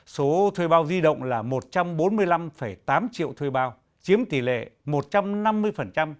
số thuê bao di động là một trăm bốn mươi năm tám triệu thuê bao chiếm tỷ lệ một trăm năm mươi so với tổng dân số cả nước